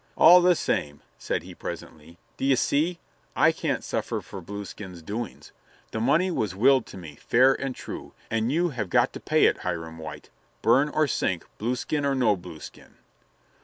"All the same," said he presently, "d'ye see, I can't suffer for Blueskin's doings. The money was willed to me, fair and true, and you have got to pay it, Hiram White, burn or sink, Blueskin or no Blueskin."